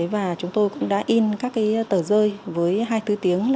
và chúng tôi cũng đã in các tờ rơi với hai mươi bốn tiếng